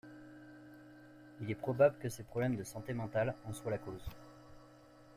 Il est probable que ses problèmes de santé mentale en soient la cause.